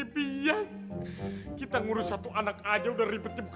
bisa jadi tuh